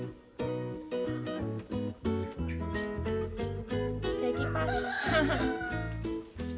proses pembuatan jamur cukup sederhana